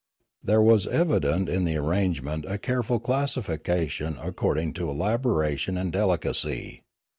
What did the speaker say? There was evident in the arrangement a careful classi fication according to elaboration and delicacy.